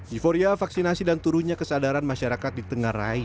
euforia vaksinasi dan turunnya kesadaran masyarakat di tengah rai